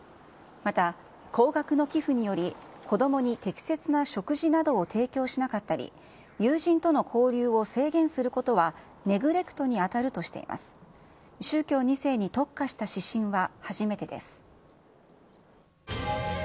また、高額の寄付により子どもに適切な食事などを提供しなかったり、友人との交流を制限することはネグレクトに当たるとしています。